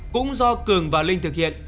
cũng do cường và linh thực hiện